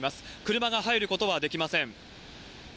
車が入ることはできません。